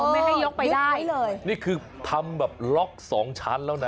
ไม่ให้ยกไปได้เลยนี่คือทำแบบล็อกสองชั้นแล้วนะ